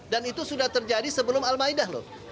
dan itu sudah terjadi sebelum almayun